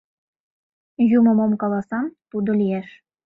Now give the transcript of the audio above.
Юмо мом каласа, тудо лиеш.